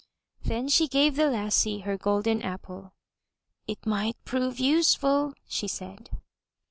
'' Then she gave the lassie her golden apple. *'It might prove useful/' she said.